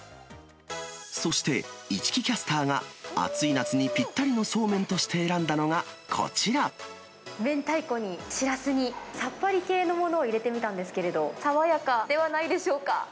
そして、市來キャスターが暑い夏にぴったりのそうめんとして選んだのがこ明太子にしらすに、さっぱり系のものを入れてみたんですけれど、爽やかではないでしょうか。